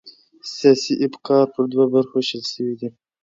سیاسي افکار پر دوو برخو وېشل سوي دي.